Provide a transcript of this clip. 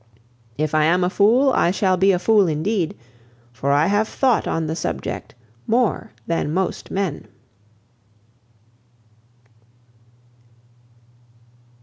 If I am a fool, I shall be a fool indeed, for I have thought on the subject more than most men."